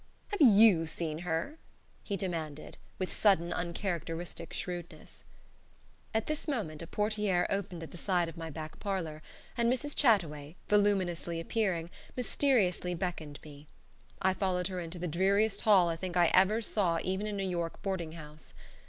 Have you seen her?" he demanded, with sudden, uncharacteristic shrewdness. At this moment a portiere opened at the side of my back parlor, and Mrs. Chataway, voluminously appearing, mysteriously beckoned me. I followed her into the dreariest hall I think I ever saw even in a New York boarding house.